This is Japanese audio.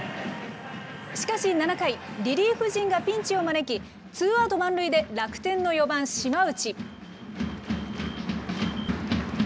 しかし７回、リリーフ陣がピンチを招き、ツーアウト満塁で楽天の４番島内。